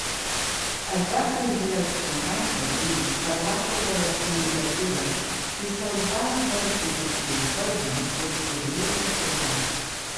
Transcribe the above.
Es va prohibir als companys de pis parlar sobre les candidatures i se'ls va advertir que, si ho feien, se'ls podria castigar.